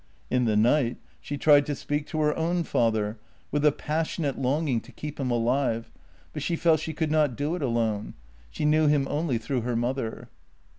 In the night she .tried to JENNY 92 speak to her own father, with a passionate longing to keep him alive, but she felt she could not do it alone; she knew him only through her mother.